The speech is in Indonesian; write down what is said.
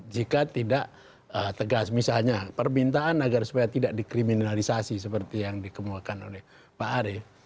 jika tidak tegas misalnya permintaan agar supaya tidak dikriminalisasi seperti yang dikemukakan oleh pak arief